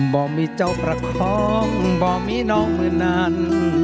บ่มีเจ้าประคองบ่มีน้องมือนั้น